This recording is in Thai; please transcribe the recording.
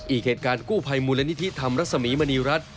อีกเหตุการณ์กู้ภัยมูลนิธิธรรมรสมีมณีรัฐ